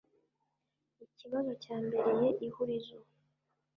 Ikibazo cyambereye ihurizo